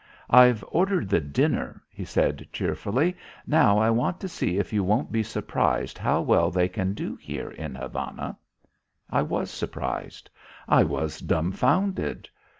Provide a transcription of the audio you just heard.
"I've ordered the dinner," he said cheerfully. "Now I want to see if you won't be surprised how well they can do here in Havana." I was surprised. I was dumfounded.